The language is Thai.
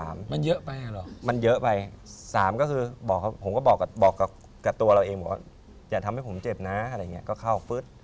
มันเยอะไปหรอมันเยอะไป๓ก็คือผมก็บอกกับตัวเราเองอย่าทำให้ผมเจ็บนะก็เข้า